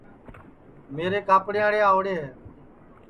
میرے کاپڑیئاڑے آؤرے ہے